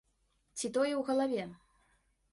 Ці тое ў галаве?